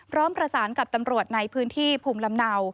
พร้อมประสานกับตำรวจในพื้นที่ภูมิลำเนา